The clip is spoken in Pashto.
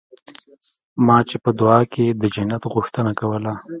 ما چې په دعا کښې د جنت غوښتنه کوله.